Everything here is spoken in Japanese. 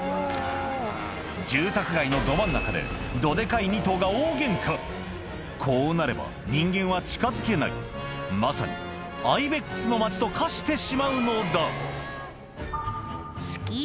住宅街のど真ん中でどデカい２頭が大ゲンカこうなれば人間は近づけないまさにアイベックスの町と化してしまうのだスキー